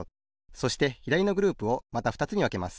そしてひだりのグループをまたふたつにわけます。